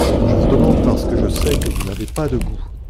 Je vous demande parce que je sais que vous n’avez pas de goût…